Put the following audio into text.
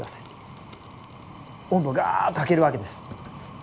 温度ガーッと上げるわけです。